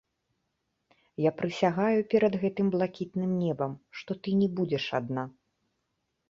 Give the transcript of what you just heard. Я прысягаю перад гэтым блакітным небам, што ты не будзеш адна.